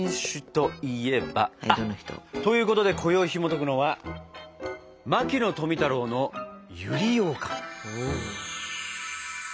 あっということでこよいひもとくのは「牧野富太郎の百合ようかん」。